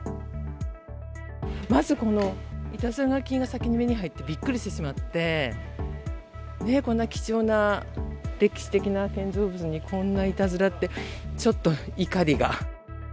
まずこのいたずら書きが先に目に入って、びっくりしてしまって、こんな貴重な歴史的な建造物に、こんないたずらって、ちょっと怒りが。